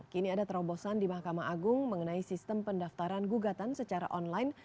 kini ada terobosan di mahkamah agung mengenai sistem pendaftaran gugatan secara online